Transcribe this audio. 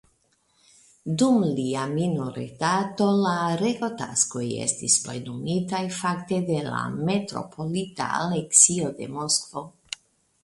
Dum lia minoritato la regotaskoj estis plenumitaj fakte de la metropolita Aleksio de Moskvo.